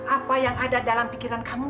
apa yang ada dalam pikiran kamu